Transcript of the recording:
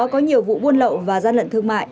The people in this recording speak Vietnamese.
có nhiều vụ buôn lậu và gian lận thương mại